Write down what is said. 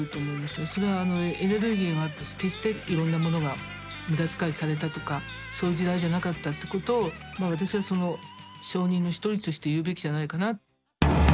それはエネルギーがあったし決していろんなものが無駄遣いされたとかそういう時代じゃなかったってことを私はその証人の一人として言うべきじゃないかな。